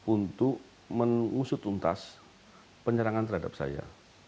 untuk mengusut untas penyerangan terhadap saya